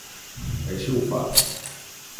Així ho fa.